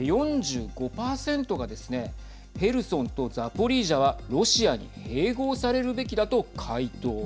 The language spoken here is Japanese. ４５％がですねヘルソンとザポリージャはロシアに併合されるべきだと回答。